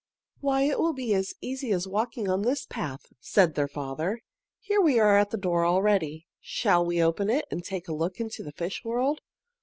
"Why, it will be as easy as walking on this path," said their father. "Here we are at the door already. Shall we open it and take a look into the fish world?"